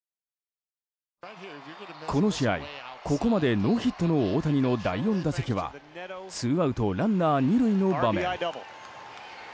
この試合、ここまでノーヒットの大谷の第４打席はツーアウトランナー２塁の場面。